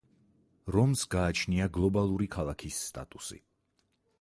რომს გააჩნია გლობალური ქალაქის სტატუსი.